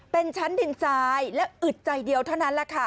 เป็นชั้นดินทรายและอึดใจเดียวเท่านั้นแหละค่ะ